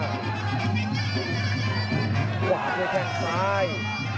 ขวาที่แค่งซ้าย